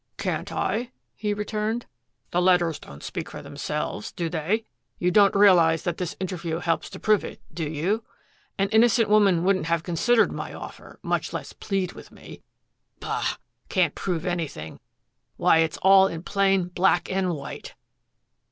"Can't I?" he returned. "The letters don't speak for themselves, do they? You don't realize that this interview helps to prove it, do you? An innocent woman wouldn't have considered my offer, much less plead with me. Bah! can't prove anything. Why, it's all in plain black and white!"